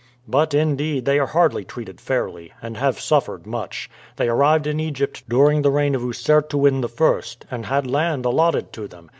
"But indeed they are hardly treated fairly, and have suffered much. They arrived in Egypt during the reign of Usertuen I., and had land allotted to them.